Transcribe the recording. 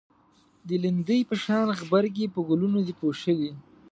د لیندۍ په شانی غبرگی په گلونو دی پوښلی